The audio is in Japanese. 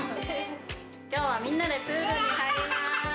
きょうはみんなでプールに入ります。